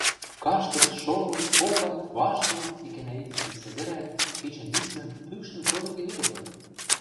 каштыт, шолыт, попат, ваштылыт, икӓнӓ-иктӹштӹм сӹгӹрӓт, кечӹнӱшмӹм, пӱкшӹм цодырге веле пырыт